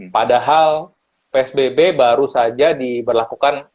padahal psbb baru saja diberlakukan